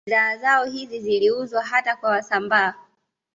Bidhaa zao hizi ziliuzwa hata kwa Wasambaa